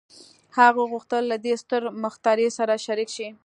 هغه غوښتل له دې ستر مخترع سره شريک شي.